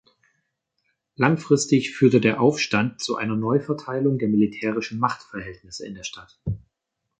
Langfristig führte der Aufstand zu einer Neuverteilung der militärischen Machtverhältnisse in der Stadt.